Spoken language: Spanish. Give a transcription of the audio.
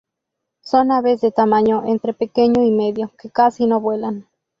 Son aves de tamaño entre pequeño y medio, que casi no vuelan.